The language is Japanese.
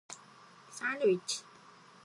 サンドイッチ